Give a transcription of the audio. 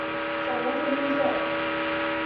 享年四十一岁。